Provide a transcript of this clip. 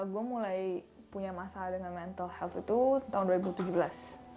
gue mulai punya masalah dengan mental health itu tahun dua ribu tujuh belas